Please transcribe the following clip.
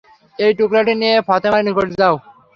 এই টুকরাটি নিয়ে ফাতেমার নিকট যাও।